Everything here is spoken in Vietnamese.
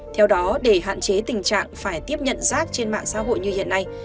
theo đó để hạn chế tình trạng phải tiếp nhận rác trên mạng xã hội như hiện nay